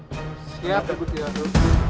siap teguh tiado